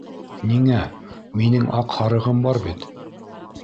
— Ниңә, минең аҡ һарығым бар бит.